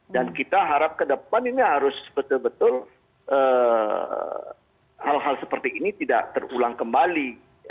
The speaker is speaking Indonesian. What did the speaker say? dan kita harap ke depan ini harus betul betul hal hal seperti ini tidak terulang kembali